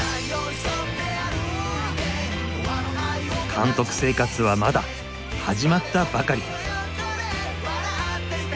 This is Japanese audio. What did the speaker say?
監督生活はまだ始まったばかり。